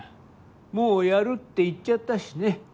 もうやるって言っちゃったしね。